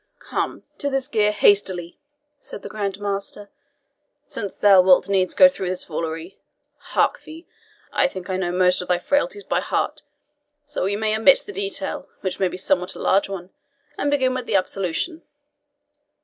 "Come! to this gear hastily," said the Grand Master, "since thou wilt needs go through the foolery. Hark thee I think I know most of thy frailties by heart, so we may omit the detail, which may be somewhat a long one, and begin with the absolution.